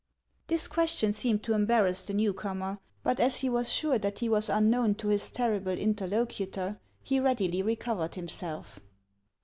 This question seemed to embarrass the new comer; but as he was sure that he was unknown to his terrible inter locutor, he readily recovered himself.